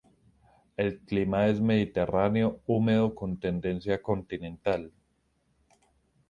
El clima es mediterráneo húmedo con tendencia continental.